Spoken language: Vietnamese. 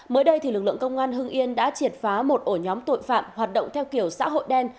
mới đây lực lượng công an hưng yên đã triệt phá một ổ nhóm tội phạm hoạt động theo kiểu xã hội đen